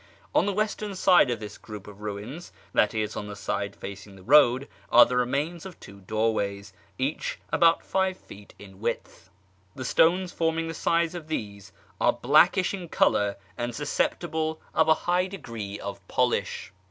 On the western side of this group of ruins {i.e. on the side facing the road) are the remains of two doorways, each about five feet in width. The stones forming the sides of these are blackish in colour and susceptible of a high degree of polish.